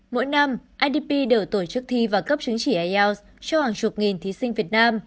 mỗi năm idp đều tổ chức thi và cấp chứng chỉ ielts cho hàng chục nghìn thí sinh việt nam